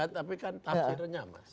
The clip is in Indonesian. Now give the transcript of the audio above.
tapi kan takdirnya mas